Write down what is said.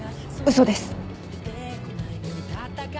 嘘です。